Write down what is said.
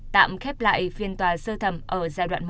tạm khép lại phiên tòa sơ thẩm ở giai đoạn một